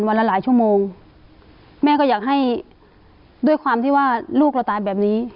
ละหลายชั่วโมงแม่ก็อยากให้ด้วยความที่ว่าลูกเราตายแบบนี้